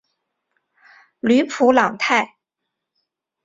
吕普朗泰。